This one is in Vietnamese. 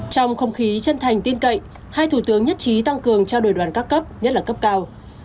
trong không khí chân thành tiên cậy hai thủ tướng nhất trí tăng cường cho đồi đoàn các cấp nhất là cấp cao